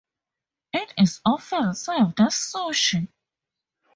It is often served as sushi.